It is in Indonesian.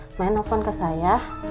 kemudian nelfon ke saya